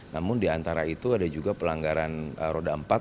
namun diantara itu ada juga pelanggaran roda empat